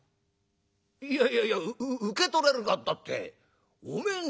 「いやいやいや『受け取れるか』ったってお前んだろ」。